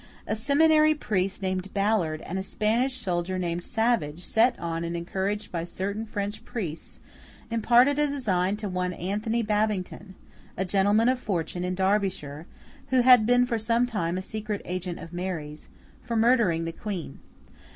A seminary priest named Ballard, and a Spanish soldier named Savage, set on and encouraged by certain French priests, imparted a design to one Antony Babington—a gentleman of fortune in Derbyshire, who had been for some time a secret agent of Mary's—for murdering the Queen.